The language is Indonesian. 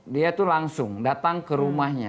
dia itu langsung datang ke rumahnya